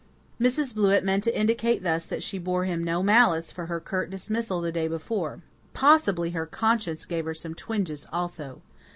Mrs. Blewett meant to indicate thus that she bore him no malice for her curt dismissal the day before; possibly her conscience gave her some twinges also.